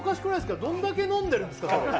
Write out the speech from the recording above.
どんだけ飲んでるんですか、それ。